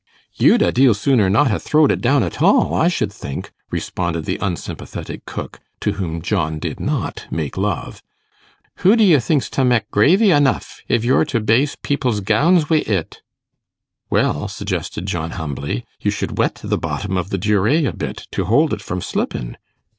'You'd a deal sooner not ha' throwed it down at all, I should think,' responded the unsympathetic cook, to whom John did not make love. 'Who d'you think's to mek gravy anuff, if you're to baste people's gownds wi' it?' 'Well,' suggested John, humbly, 'you should wet the bottom of the duree a bit, to hold it from slippin'.